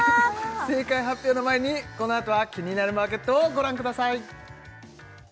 正解発表の前にこのあとは「キニナルマーケット」をご覧ください